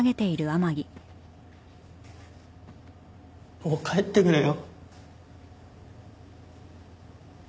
もう帰ってくれよ。